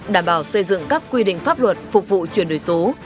đảm bảo xây dựng các quy định pháp luật phục vụ chuyển đổi số